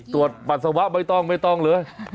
ตรวจปัสสาวะไม่ต้องเลย